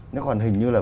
nếu còn hình như là